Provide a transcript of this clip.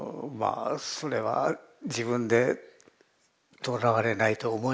あそれは自分でとらわれないと思えば。